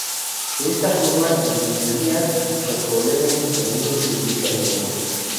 De esta forma disminuiría los problemas, suponiendo que hubiese alguno.